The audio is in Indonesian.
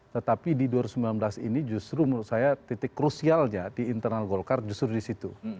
tetapi di dua ribu sembilan belas ini justru menurut saya titik krusialnya di internal golkar justru di situ